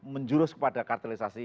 menjurus kepada kartelisasi